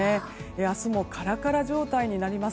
明日もカラカラ状態になります。